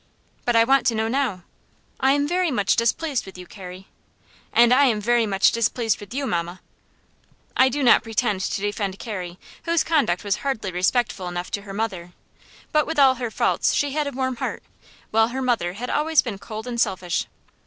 "But I want to know now." "I am very much displeased with you, Carrie." "And I am very much displeased with you, mamma." I do not pretend to defend Carrie, whose conduct was hardly respectful enough to her mother; but with all her faults she had a warm heart, while her mother had always been cold and selfish.